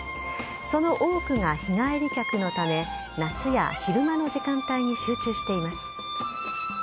その多くが日帰り客のため夏や昼間の時間帯に集中しています。